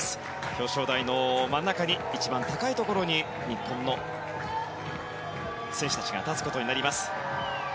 表彰台の真ん中に一番高いところに日本の選手たちが立つことになります。